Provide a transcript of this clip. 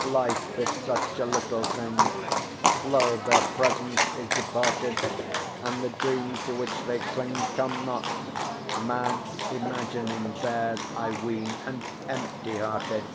Life is such a little thing; Lo, their present is departed, And the dreams to which they cling Come not. Mad imagining Theirs, I ween, and empty hearted!